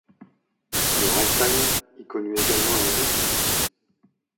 Le ragtime y connut également un vif succès.